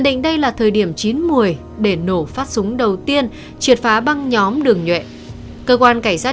tránh gây ảnh hưởng đến tình hình an ninh trật tự làm yên lòng dân